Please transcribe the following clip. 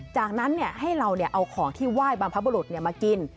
จากนั้นให้เราเอาของที่ไหว้บรรพบรุษมากิน